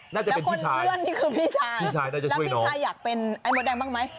น่าจะเป็นพี่ชายแล้วพี่ชายอยากเป็นไอ้มดแดงบ้างมั้ย